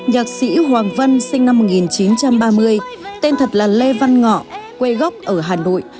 nhạc sĩ hoàng vân sinh năm một nghìn chín trăm ba mươi tên thật là lê văn ngọ quê gốc ở hà nội